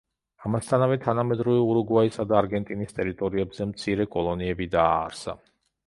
ამასთანავე, თანამედროვე ურუგვაისა და არგენტინის ტერიტორიებზე მცირე კოლონიები დააარსა.